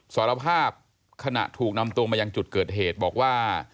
สารภาพขณะถูกนำตัวมายังจุดเกิดเหตุบอกว่า